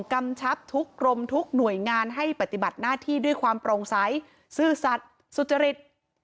กำชับทุกกรมทุกหน่วยงานให้ปฏิบัติหน้าที่ด้วยความโปร่งใสซื่อสัตว์สุจริต